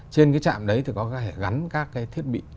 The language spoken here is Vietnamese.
trên cái trạm đấy thì có thể gắn các cái thiết bị